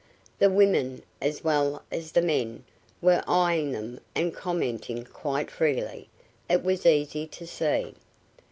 The women, as well as the men, were eyeing them and commenting quite freely, it was easy to see.